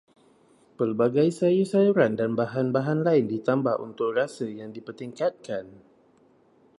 Pelbagai sayur-sayuran dan bahan-bahan lain ditambah untuk rasa yang dipertingkatkan